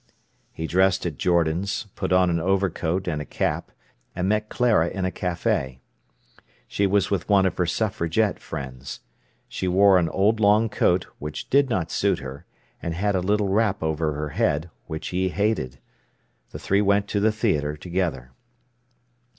He dressed at Jordan's, put on an overcoat and a cap, and met Clara in a café. She was with one of her suffragette friends. She wore an old long coat, which did not suit her, and had a little wrap over her head, which he hated. The three went to the theatre together.